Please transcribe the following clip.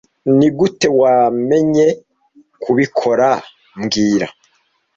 Nigute wamenye kubikora mbwira